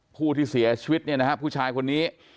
ผู้ที่เสียชีวิตเนี่ยนะฮะผู้ชายคนนี้